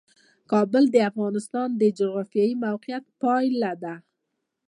کابل د افغانستان د جغرافیایي موقیعت پایله ده.